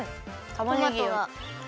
たまねぎが。